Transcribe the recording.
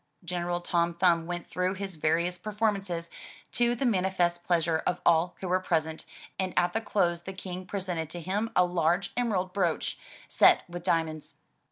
General Tom Thumb went through his various performances to the manifest pleasure of all who were present, and at the close the King pre sented to him a large emerald brooch set with diamonds.